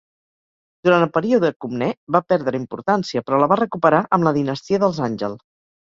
Durant el període Comnè, va perdre importància, però la va recuperar amb la dinastia dels Àngel.